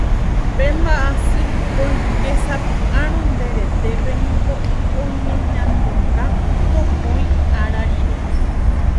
Pe mba'asy oikesapy'árõ nde retépe niko oñeñanduka mokõi ára rire